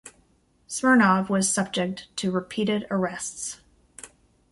Smirnov was subject to repeated arrests.